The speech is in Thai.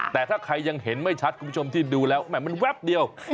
แต่ถ้าใครยังเห็นไม่ชัดคุณผู้ชมที่ดูแล้วแหมมันแป๊บเดียว